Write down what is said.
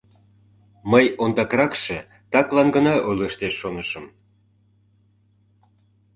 Мый ондакракше таклан гына ойлыштеш шонышым.